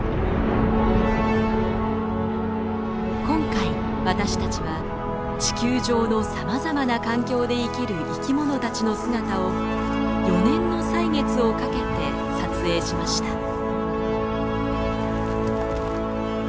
今回私たちは地球上のさまざまな環境で生きる生き物たちの姿を４年の歳月をかけて撮影しました。